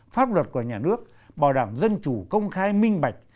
pháp luật của nhà nước bảo đảm dân chủ công khai minh bạch